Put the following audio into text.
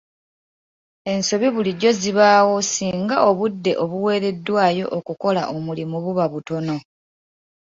Ensobi bulijjo zibaawo singa obudde obuweereddwayo okukola omulimu buba butono.